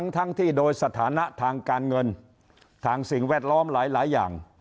ทั้งที่โดยสถานะทางการเงินทางสิ่งแวดล้อมหลายอย่าง